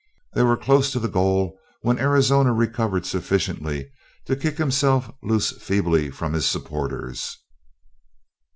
They were close to the goal when Arizona recovered sufficiently to kick himself loose feebly from his supporters.